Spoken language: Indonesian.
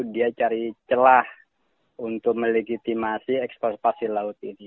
dia cari celah untuk melegitimasi ekspor pasir laut ini